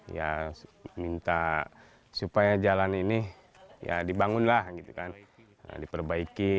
ya minta supaya jalan ini ya dibangunlah gitu kan diperbaiki